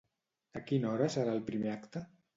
A quina hora serà el primer acte?